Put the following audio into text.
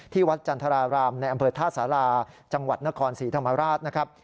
วัดจันทรารามในอำเภอท่าสาราจังหวัดนครศรีธรรมราชนะครับ